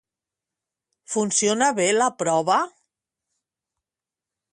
Funciona bé la prova?